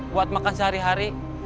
buat makan sehari hari